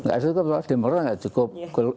enggak ada yang cukup pak demerol enggak cukup